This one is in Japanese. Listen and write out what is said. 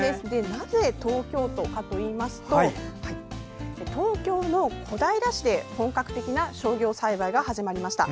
なぜ東京都かといいますと東京の小平市で本格的な商業栽培が始まりました。